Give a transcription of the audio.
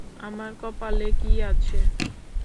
আমার কপালে কী আছে!